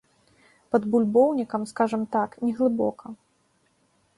Пад бульбоўнікам, скажам так, не глыбока.